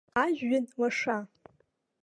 Ажәҩан лаша.